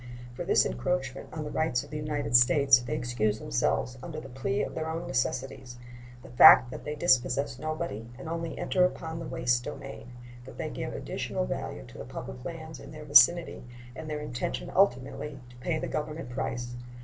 For this encroachment on the rights of the United States they excuse themselves under the plea of their own necessities; the fact that they dispossess nobody and only enter upon the waste domain: that they give additional value to the public lands in their vicinity, and their intention ultimately to pay the Government price.